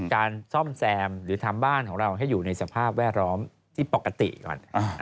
การซ่อมแซมหรือทำบ้านของเราให้อยู่ในสภาพแวดล้อมที่ปกติก่อน